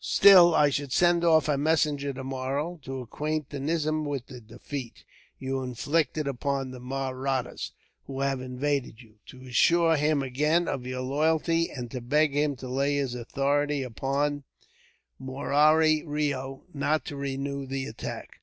"Still, I should send off a messenger tomorrow, to acquaint the nizam with the defeat you inflicted upon the Mahrattas who have invaded you, to assure him again of your loyalty, and to beg him to lay his authority upon Murari Reo, not to renew the attack."